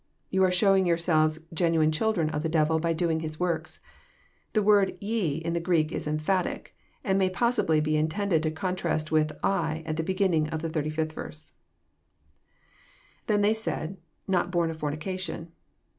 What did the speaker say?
You are showing yourselves genuine children of the devil, by doing his works." The word "ye" in the Greek is emphatic, and may possibly be intended to contrast with " I," at the beginning of the 85th verse. [^Then said they„.not horn of fornication.'